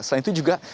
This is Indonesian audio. selain itu juga